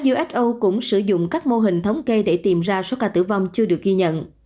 uso cũng sử dụng các mô hình thống kê để tìm ra số ca tử vong chưa được ghi nhận